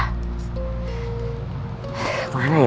mana aja tante sarah